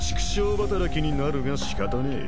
働きになるが仕方ねえ。